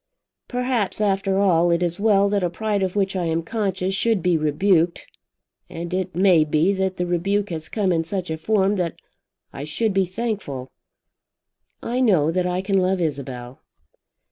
"Perhaps, after all, it is well that a pride of which I am conscious should be rebuked. And it may be that the rebuke has come in such a form that I should be thankful. I know that I can love Isabel."